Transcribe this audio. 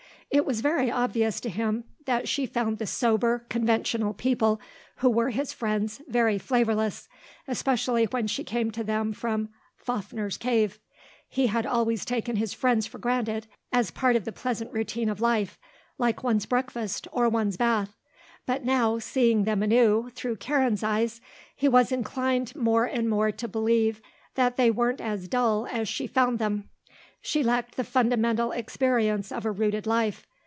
It was very obvious to him that she found the sober, conventional people who were his friends very flavourless, especially when she came to them from Fafner's cave. He had always taken his friends for granted, as part of the pleasant routine of life, like one's breakfast or one's bath; but now, seeing them anew, through Karen's eyes, he was inclined more and more to believe that they weren't as dull as she found them. She lacked the fundamental experience of a rooted life.